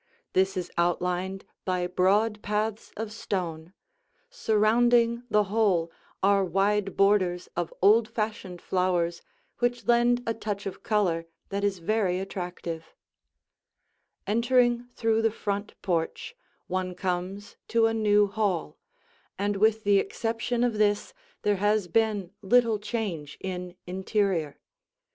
This is outlined by broad paths of stone; surrounding the whole are wide borders of old fashioned flowers which lend a touch of color that is very attractive. [Illustration: The Stairway] Entering through the front porch, one comes to a new hall, and with the exception of this, there has been little change in interior.